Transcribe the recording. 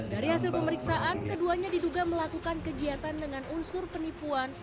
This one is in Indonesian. dari hasil pemeriksaan keduanya diduga melakukan kegiatan dengan unsur penipuan